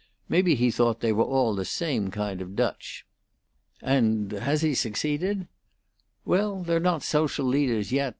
Maybe he thought they were all the same kind of Dutch." "And has he succeeded?" "Well, they're not social leaders yet.